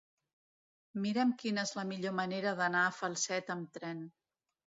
Mira'm quina és la millor manera d'anar a Falset amb tren.